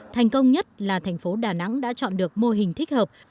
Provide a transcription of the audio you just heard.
thành công nhất là thành phố đà nẵng đã chọn được mô hình thích hợp